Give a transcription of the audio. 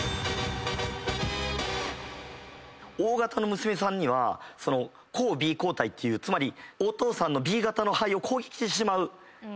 Ｏ型の娘さんには抗Ｂ抗体っていうつまりお父さんのＢ型の肺を攻撃してしまう血清が。